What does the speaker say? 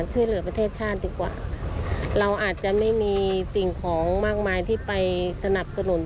ประเทศชาติดีกว่าเราอาจจะไม่มีสิ่งของมากมายที่ไปสนับสนุน